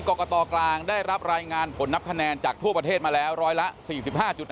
กรกตกลางได้รับรายงานผลนับคะแนนจากทั่วประเทศมาแล้วร้อยละ๔๕๕๔พักการเมืองที่มีแคนดิเดตนายกคนสำคัญ